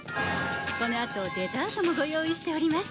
このあとデザートもご用意しております。